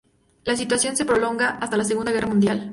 La situación se prolongó hasta la segunda guerra mundial.